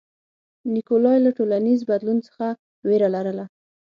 نیکولای له ټولنیز بدلون څخه وېره لرله.